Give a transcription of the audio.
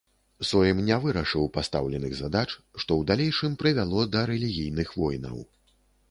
Сойм не вырашыў пастаўленых задач, што ў далейшым прывяло да рэлігійных войнаў.